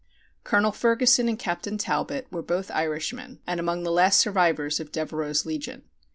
Colonel Ferguson and Captain Talbot were both Irishmen and among the last survivors of Devereux's Legion.